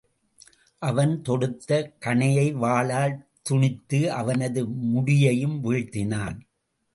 அவன் தொடுத்த கணையை வாளால் துணித்து அவனது முடியையும் வீழ்த்தினான்.